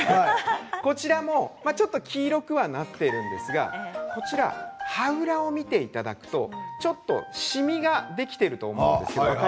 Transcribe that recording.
こちらも黄色くはなっているんですがこちらは葉裏を見ていただくとちょっとしみができていると思うんです。